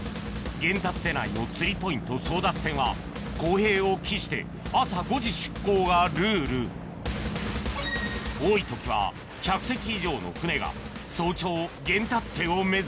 玄達瀬内の釣りポイント争奪戦は公平を期して多い時は１００隻以上の船が早朝玄達瀬を目指す